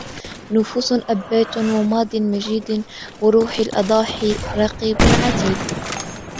نفـوسٌ أبـاةٌ ومـاضٍ مجيـدْ وروحُ الأضاحي رقيبٌ عَـتيدْ